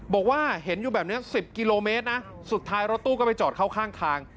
บอกว่าเห็นอยู่แบบนี้๑๐กิโลเมตรนะสุดท้ายรถตู้ก็ไปจอดเข้าข้างทาง